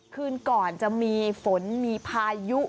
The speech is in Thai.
คืนก่อนจะมีฝนมีพายุ